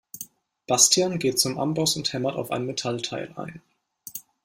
Bastian geht zum Amboss und hämmert auf ein Metallteil ein.